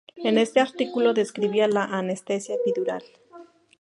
En este artículo describía la anestesia epidural.